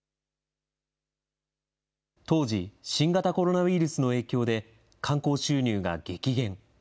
当時、新型コロナウイルスの影響で、観光収入が激減。